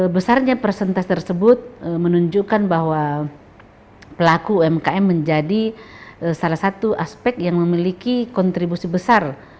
besarnya persentase tersebut menunjukkan bahwa pelaku umkm menjadi salah satu aspek yang memiliki kontribusi besar